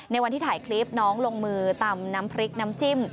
วันที่ถ่ายคลิปน้องลงมือตำน้ำพริกน้ำจิ้ม